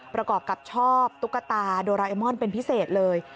ประกอบกับชอบตุ๊กตาโดราเอมอนเป็นพิเศษเลย